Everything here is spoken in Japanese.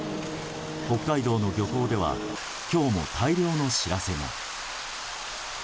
北海道の漁港では今日も大漁の知らせが。